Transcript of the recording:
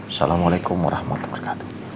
assalamualaikum warahmatullahi wabarakatuh